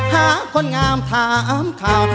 หาคนงามถามข่าว